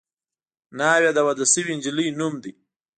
ناوې د واده شوې نجلۍ نوم دی